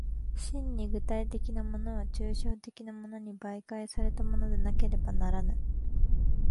真に具体的なものは抽象的なものに媒介されたものでなければならぬ。